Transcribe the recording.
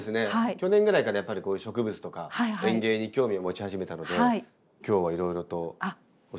去年ぐらいからやっぱりこういう植物とか園芸に興味を持ち始めたので今日はいろいろと教えていただきたいなと。